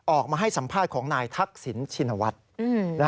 ออกมาให้สัมภาษณ์ของนายทักษิณชินวัฒน์